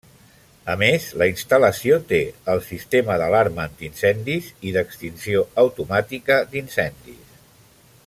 A més, la instal·lació té el sistema d'alarma antiincendis i d'extinció automàtica d'incendis.